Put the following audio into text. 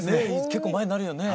結構前になるよね？